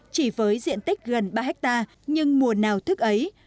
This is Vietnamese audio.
chỉ với diện tích gần ba hectare nhưng mùa nào thức ấy